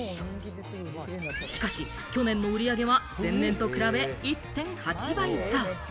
しかし去年の売り上げは、前年と比べ１．８倍増。